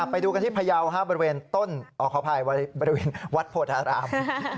ไปดูกันที่พยาวบริเวณต้นขออภัยบริเวณวัดโพธาราม